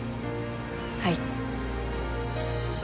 はい。